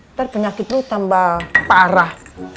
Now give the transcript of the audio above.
ntar penyakit lu tambah parah